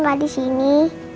apa papa gak disini